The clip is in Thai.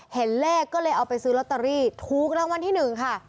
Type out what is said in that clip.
เห็นเลขก็เลยเอาไปซื้อลอตเตอรี่ถูกรางวัลที่๑ค่ะ